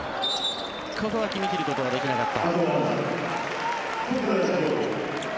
ここは決め切ることができなかった。